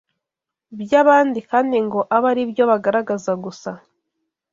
by’abandi kandi ngo abe ari byo bagaragaza gusa